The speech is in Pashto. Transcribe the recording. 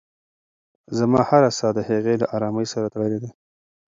زما هره ساه د هغې له ارامۍ سره تړلې ده.